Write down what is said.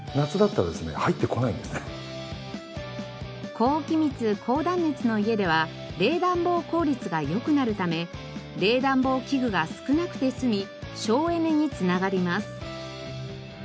高気密高断熱の家では冷暖房効率が良くなるため冷暖房器具が少なくて済み省エネにつながります。